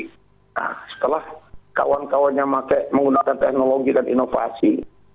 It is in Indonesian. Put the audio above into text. nah setelah kawan kawannya menggunakan teknologi dan inovasi